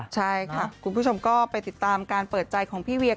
ใช่ค่ะคุณผู้ชมก็ไปติดตามการเปิดใจของพี่เวีย